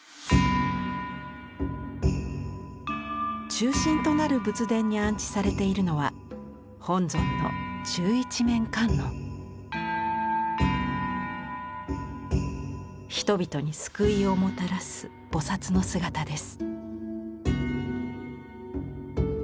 中心となる仏殿に安置されているのは本尊の人々に救いをもたらす菩薩の姿です。